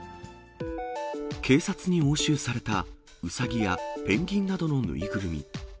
警察に押収されたうさぎやペンギンなどの縫いぐるみ。